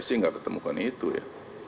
saya sih gak ketemukan itu ya